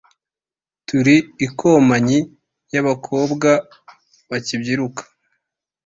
turi ikompanyi y’abakobwa bakibyiruka